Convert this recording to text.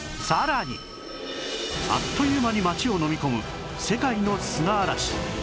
あっという間に街をのみ込む世界の砂嵐